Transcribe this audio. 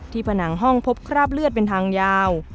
ผนังห้องพบคราบเลือดเป็นทางยาว